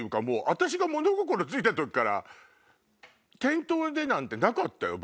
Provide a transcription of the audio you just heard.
私が物心ついた時から店頭でなんてなかったよ